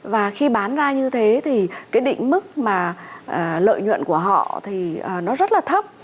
và khi bán ra như thế thì cái định mức mà lợi nhuận của họ thì nó rất là thấp